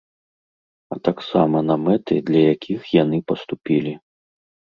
А таксама на мэты, для якіх яны паступілі.